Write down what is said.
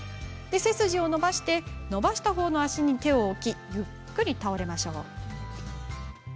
背筋を伸ばし伸ばしたほうの脚に手を置いてゆっくり倒れましょう。